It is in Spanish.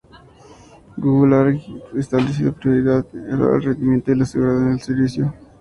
Google ha establecido prioridad sobre el rendimiento y la seguridad en el servicio.